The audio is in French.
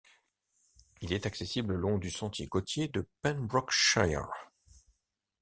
Il est accessible le long du sentier côtier de Pembrokeshire.